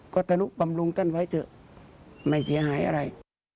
ก็ต้องปรับปรุงกันไว้เถอะไม่เสียหายอะไร